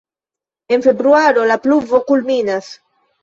En februaro la pluvo kulminas.